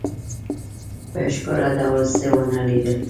په ښکاره ډول څه ونه لیدل.